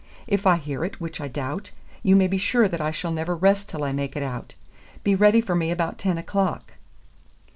If I hear it, which I doubt, you may be sure I shall never rest till I make it out. Be ready for me about ten o'clock."